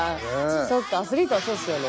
そっかアスリートはそうっすよね。